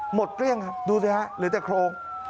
เกลี้ยงครับดูสิฮะเหลือแต่โครง